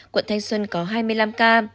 quận thanh xuân có hai mươi năm ca